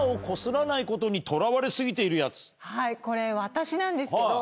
はいこれ私なんですけど。